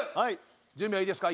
準備はいいですか？